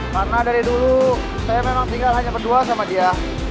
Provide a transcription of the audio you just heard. karena dari dulu saya memang tinggal hanya berdua sama dia